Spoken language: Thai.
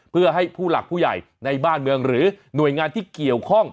เพื่อให้ผู้หลักผู้ใหญ่ในบ้านเมืองหรือหน่วยงานที่เกี่ยวข้อง